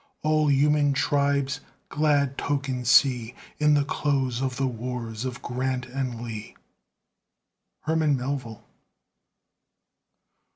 All human tribes glad token see In the close of the wars of Grant and Lee. HERMAN MELVILLE.